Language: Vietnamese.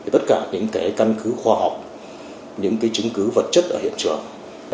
tất cả những cái căn cứ khoa học những cái chứng cứ vật chất ở hiện trường